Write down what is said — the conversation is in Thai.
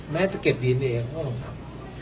แม้ถ้าเก็บดีนเองก็ต้องทำ